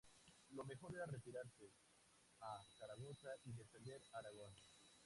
Lo mejor era retirarse a Zaragoza y defender Aragón.